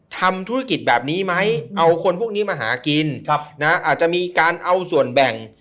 ทำธุรกิจแบบนี้ไหมเอาคนพวกนี้มาหากินอาจจะมีการเอาส่วนแบ่ง